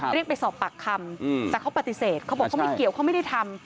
เรียกไปสอบปากคำแต่เขาปฏิเสธเขาบอกเขาไม่เกี่ยวเขาไม่ได้ทำ